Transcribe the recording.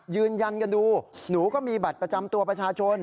ยืนยันกันดูหนูก็มีบัตรประจำตัวประชาชน